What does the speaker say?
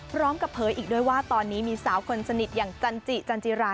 พร้อมกับเผยอีกด้วยว่าตอนนี้มีสาวคนสนิทอย่างจันจิจันจิรา